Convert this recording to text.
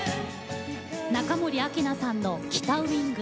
中森明菜さんの「北ウイング」。